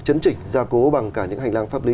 chấn chỉnh gia cố bằng cả những hành lang pháp lý